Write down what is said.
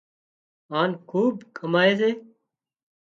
هانَ خوٻ ڪمائي سي